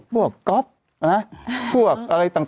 พวกก๊อตเพื่อยัง